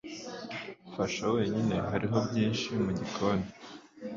fasha wenyine hariho byinshi mu gikoni